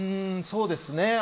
そうですね。